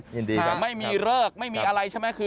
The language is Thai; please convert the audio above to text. ยินดีครับครับไม่มีเลิกไม่มีอะไรใช่ไหม